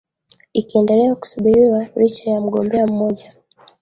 likiendelea kusubiriwa licha ya mgombea mmoja